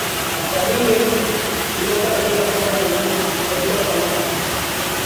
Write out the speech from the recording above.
Wasanii wengi kutoka kila Kona ya dunia hualikwa tamashani hapo